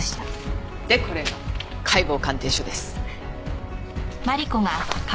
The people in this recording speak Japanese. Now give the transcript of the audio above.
でこれが解剖鑑定書です。